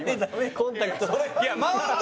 コンタクト。